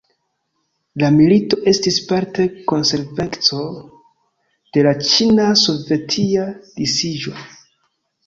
La milito estis parte konsekvenco de la Ĉina-sovetia disiĝo.